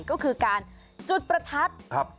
ก็คือการจุดประทัด